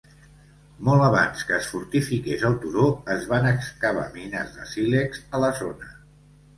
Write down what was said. Molt abans que es fortifiqués el turó, es van excavar mines de sílex a la zona.